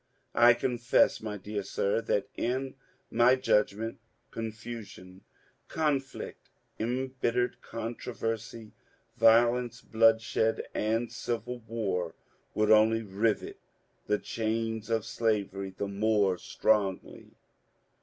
I confess, my dear sir, that, in my {'udgment, confusion, conflict, embittered controversy, violence, bloodshed, and civil war would only rivet the chains of slavery the more strongly.